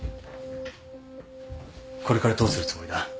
これからどうするつもりだ？